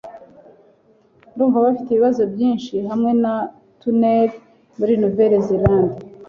Ndumva bafite ibibazo byinshi hamwe na tunel muri Nouvelle-Zélande